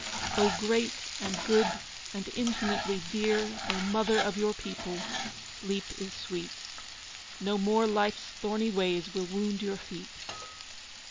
O great and good and infinitely dear, O Mother of your people, sleep is sweet, No more Life's thorny ways will wound your feet.